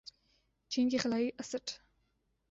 چین کے خلائی اسٹ